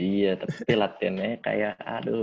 iya tapi latinnya kayak aduh